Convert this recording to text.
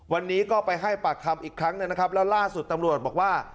วันนี้ก็ไปให้ปากคำอีกครั้งหนึ่งนะครับแล้วล่าสุดตำรวจบอกว่า